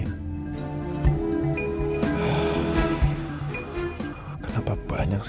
kenapa banyak sekali cabang konflik yang harus saya ingat ya